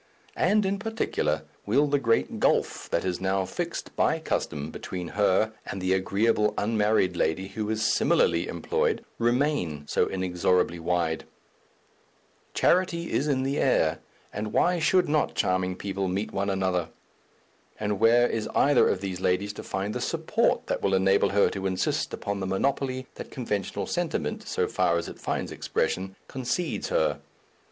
and in particular, will the great gulf that is now fixed by custom between her and the agreeable unmarried lady who is similarly employed remain so inexorably wide? Charity is in the air, and why should not charming people meet one another? And where is either of these ladies to find the support that will enable her to insist upon the monopoly that conventional sentiment, so far as it finds expression, concedes her?